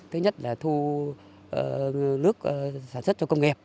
thứ nhất là thu nước sản xuất cho công nghiệp